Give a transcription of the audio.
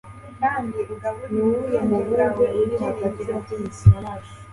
kandi ugaburire ubwenge bwawe ibyiringiro byiza